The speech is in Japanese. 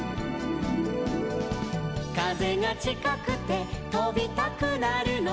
「風がちかくて飛びたくなるの」